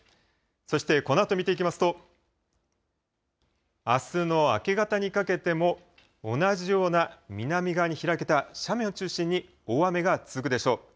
そして、このあと見ていきますと、あすの明け方にかけても、同じような、南側に開けた斜面を中心に大雨が続くでしょう。